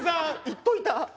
言っといた。